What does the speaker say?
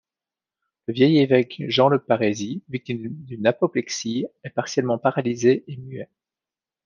Le vieil évêque Jean Le Parisy victime d'une apoplexie est partiellement paralysé et muet.